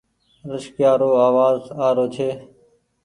رڪسيا رو آواز آ رو ڇي۔